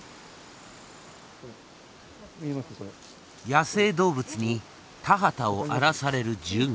野生動物に田畑を荒らされる獣害。